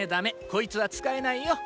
こいつは使えないよ。